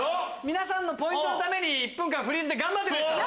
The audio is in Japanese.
皆さんのポイントのために１分間フリーズで頑張ってくれてた。